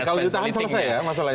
kalau ditahan selesai ya masalahnya